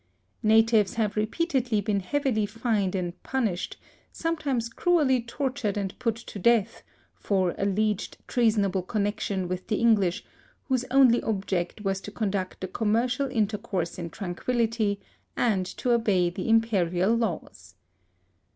Natives have repeatedly been heavily fined and punished, sometimes cruelly tortured and put to death, for alleged treasonable connection with the English, whose only object was to conduct a commercial intercourse in tranquillity, and to obey the Imperial laws.